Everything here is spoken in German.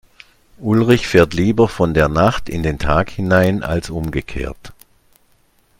Ulrich fährt lieber von der Nacht in den Tag hinein als umgekehrt.